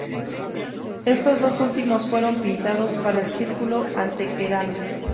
Estos dos últimos fueron pintados para el Círculo Antequerano.